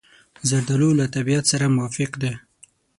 زردالو له طبیعت سره موافق دی.